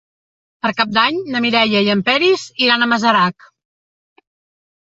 Per Cap d'Any na Mireia i en Peris iran a Masarac.